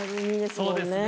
そうですね。